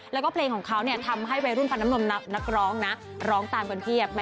แล้วก็เพลงของเขาทำให้วัยรุ่นพันน้ำนมนักร้องนะร้องตามกันเพียบ